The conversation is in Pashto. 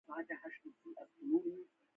مجاهد د حلال ژوند غوښتونکی وي.